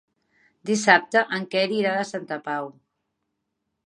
Dissabte en Quer irà a Santa Pau.